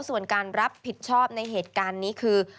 ส่วนการรับผิดชอบในเหตุการณ์นี้คือ